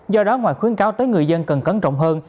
do đó ngoài khuyến cáo tới người dân cần cẩn trọng hơn